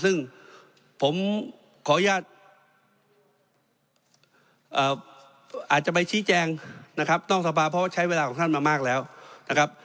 ซึ่งผมขออนุญาตอาจจะไปชี้แจงนะครับนอกสภาเพราะว่าใช้เวลาของท่านมามากแล้วนะครับ